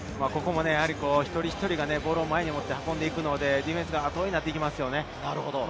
一人一人がボールを前に持って運んでいくので、ディフェンスが後になっていきます。